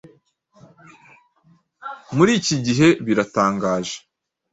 muri iki gihe, biratangaje